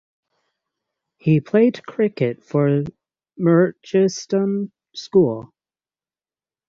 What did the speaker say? He played cricket for Merchiston School.